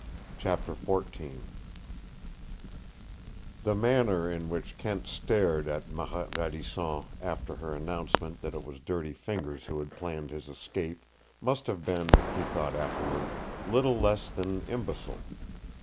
CHAPTER XIV The manner in which Kent stared at Marette Radisson after her announcement that it was Dirty Fingers who had planned his escape must have been, he thought afterward, little less than imbecile.